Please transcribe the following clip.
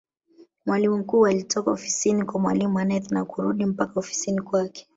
Mwalimu mkuu alitoka ofisini kwa mwalimu Aneth na kurudi mpaka ofisini kwake